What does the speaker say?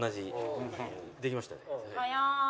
早い！